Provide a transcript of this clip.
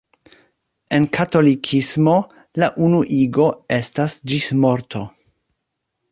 En katolikismo, la unuigo estas ĝis morto.